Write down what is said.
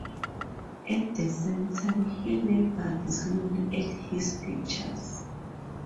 At the same time he laboured slowly at his pictures.